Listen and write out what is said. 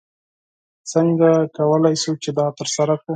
څنګه کولی شو چې دا ترسره کړو؟